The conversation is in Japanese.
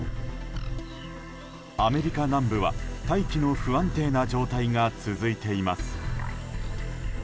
アメリカ南部は大気の不安定な状態が続いています。